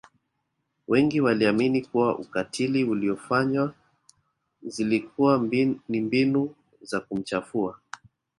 wengi waliamini kuwa ukatili aliyoufanya zilikuwa ni mbinu za kumchafua